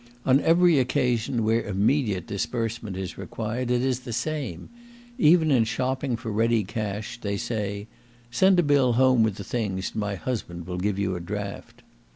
On every occasion where immediate disbursement is required it is the same; even in shopping for ready cash they say, "send a bill home with the things, and my husband will give you a draft."